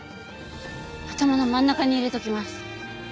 頭の真ん中に入れておきます。